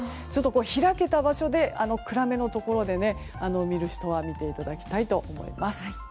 開けた場所で暗めのところで見る人は見ていただきたいと思います。